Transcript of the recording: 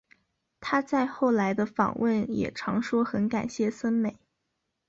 她在后来的访问也常说很感谢森美。